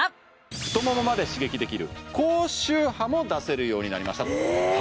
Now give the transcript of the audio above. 太ももまで刺激できる高周波も出せるようになりましたえっ！？